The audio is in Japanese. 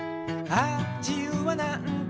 「ああじゆうはなんて」